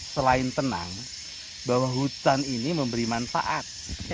selain tenang bahwa hutan ini memberi manfaat